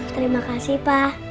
terima kasih pak